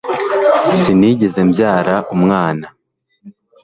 Sinigeze mbyara umwana